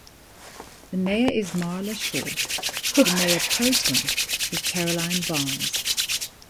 The mayor is Marla Shaw, the mayor pro tem is Caroline Barnes.